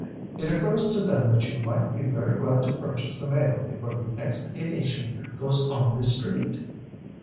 It occurs to them that you might be very glad to purchase the Mail before the next edition goes on the street."